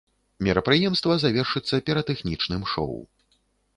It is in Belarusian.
Мерапрыемства завершыцца піратэхнічным шоў.